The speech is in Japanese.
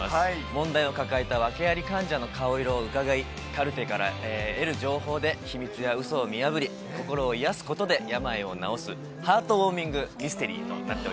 問題を抱えた訳あり患者の顔色をうかがい、カルテから得る情報で、秘密やうそを見破り、心を癒やすことで病を治す、ハートウォーミハートウォーミングミステリー。